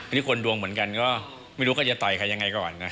อันนี้คนดวงเหมือนกันก็ไม่รู้ก็จะต่อยใครยังไงก่อนนะ